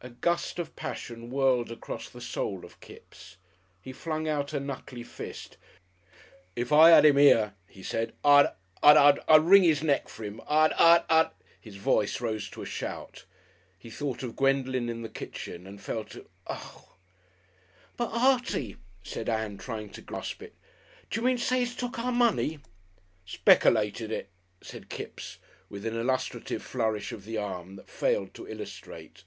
A gust of passion whirled across the soul of Kipps. He flung out a knuckly fist. "If I 'ad 'im 'ere," he said, "I'd I'd I'd wring 'is neck for 'im. I'd I'd " His voice rose to a shout. He thought of Gwendolen in the kitchen and fell to "Ugh!" "But, Artie," said Ann, trying to grasp it, "d'you mean to say he's took our money?" "Speckylated it!" said Kipps, with an illustrative flourish of the arm, that failed to illustrate.